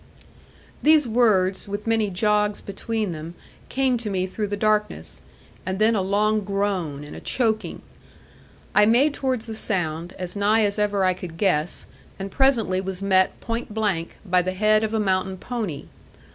These words, with many jogs between them, came to me through the darkness, and then a long groan and a choking. I made towards the sound, as nigh as ever I could guess, and presently was met, point blank, by the head of a mountain pony.